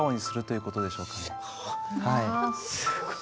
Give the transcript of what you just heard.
すごい。